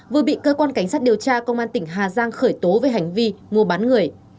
vừa bị cơ quan cảnh sát điều tra công an tỉnh hà giang khởi tố về hành vi mua bán người